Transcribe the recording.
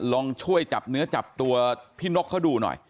ลองช่วยจับเนื้อจับตัวพี่นกเขาดูหน่อย